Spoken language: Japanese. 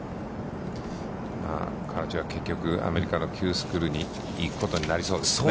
彼女は結局、アメリカのキュースクールに行くことになりそうですね。